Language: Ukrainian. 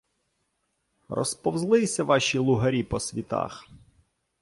— Розповзлися ваші лугарі по світах.